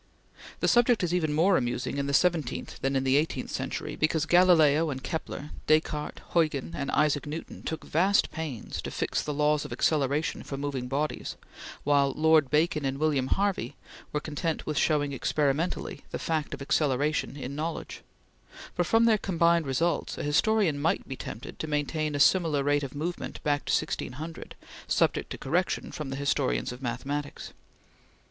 The subject is even more amusing in the seventeenth than in the eighteenth century, because Galileo and Kepler, Descartes, Huygens, and Isaac Newton took vast pains to fix the laws of acceleration for moving bodies, while Lord Bacon and William Harvey were content with showing experimentally the fact of acceleration in knowledge; but from their combined results a historian might be tempted to maintain a similar rate of movement back to 1600, subject to correction from the historians of mathematics.